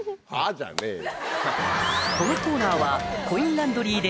じゃねえよ。